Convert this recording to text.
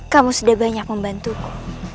kamu sudah banyak membantuku